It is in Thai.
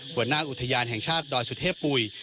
หัวหน้าอุทยานแห่งชาติดอยสุเทพปุ๋ย